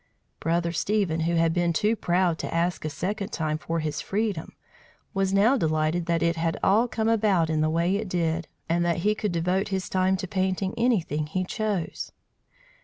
Brother Stephen, who had been too proud to ask a second time for his freedom, was now delighted that it had all come about in the way it did, and that he could devote his time to painting anything he chose.